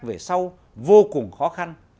về sau vô cùng khó khăn